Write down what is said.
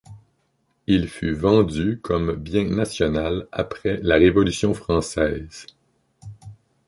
Il fut vendu comme bien national après la révolution française.